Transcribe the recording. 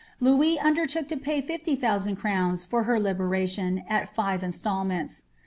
Louis undertook to pay fifty thousand crowns for tier libera tion, at tive instalments.'